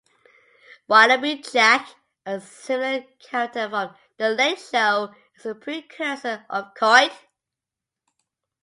"Wallaby Jack", a similar character from "The Late Show", is a precursor to Coight.